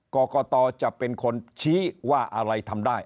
กรกตจะเป็นคนชี้ว่าอะไรทำได้